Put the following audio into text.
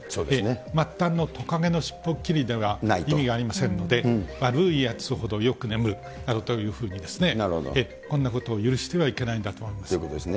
末端のトカゲの尻尾切りでは意味がありませんので、悪いやつほどよく眠るなどというふうにですね、こんなことを許しということですね。